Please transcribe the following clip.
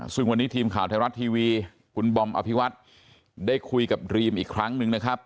ซึ่งวันนี้ทีมข่าวไทยรัฐทีวีคุณบอมอภิวัฒน์ได้คุยกับดรีมอีกครั้งหนึ่งนะครับ